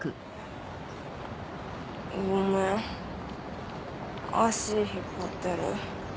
ごめん足引っ張ってる。